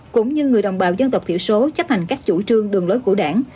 cũng như người đồng bào dân tộc thiểu số chấp hành các chủ trương đường lối của đảng